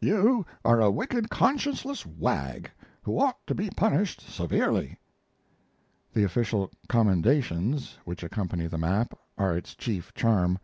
You are a wicked, conscienceless wag, who ought to be punished severely." The "Official Commendations," which accompany the map, are its chief charm.